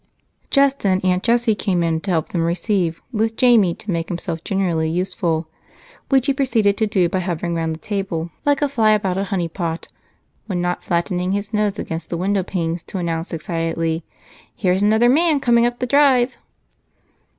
Just then Aunt Jessie came in to help them receive, with Jamie to make himself generally useful, which he proceeded to do by hovering around the table like a fly about a honey pot when not flattening his nose against the windowpanes to announce excitedly, "Here's another man coming up the drive!"